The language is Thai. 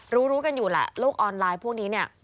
รู้รู้กันอยู่แหละโลกออนไลน์พวกนี้เนี่ย